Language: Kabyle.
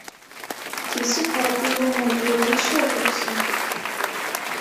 Issufeɣ-d idammen gar yiccer d uksum.